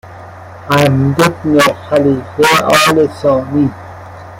حمد بن خلیفه آل ثانی